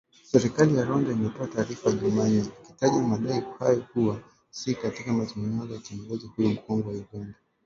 Serikali ya Rwanda imetoa taarifa jumanne, ikitaja madai hayo kuwa si ya katika mazungumzo na kiongozi huyo mkongwe wa Uganda